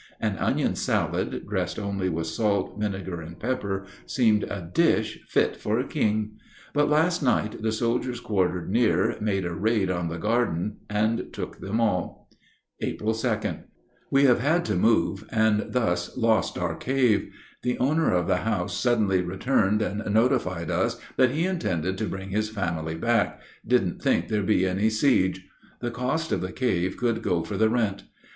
An onion salad, dressed only with salt, vinegar, and pepper, seemed a dish fit for a king; but last night the soldiers quartered near made a raid on the garden and took them all. April 2. We have had to move, and thus lost our cave. The owner of the house suddenly returned and notified us that he intended to bring his family back; didn't think there'd be any siege. The cost of the cave could go for the rent.